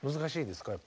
やっぱり。